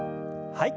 はい。